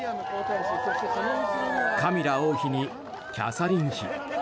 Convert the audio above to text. カミラ王妃にキャサリン妃。